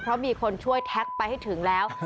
เพราะมีคนช่วยแท็กไปให้ถึงแล้ว